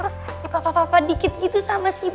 duh kok gue malah jadi mikir macem macem gini ya